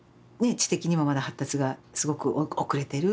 知的にもまだ発達がすごく遅れてる。